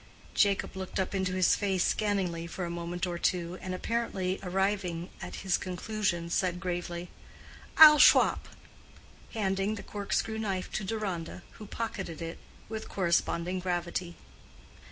Jacob looked up into his face scanningly for a moment or two, and apparently arriving at his conclusions, said gravely, "I'll shwop," handing the cork screw knife to Deronda, who pocketed it with corresponding gravity.